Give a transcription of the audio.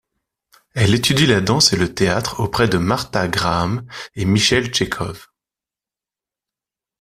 Elle étudie la danse et le théâtre auprès de Martha Graham et Michael Tchekhov.